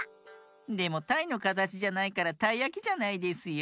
でもたいのかたちじゃないからたいやきじゃないですよ。